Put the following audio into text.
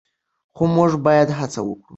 خو موږ باید هڅه وکړو.